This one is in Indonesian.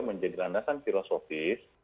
menjadi landasan filosofis